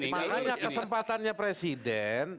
malah kesempatannya presiden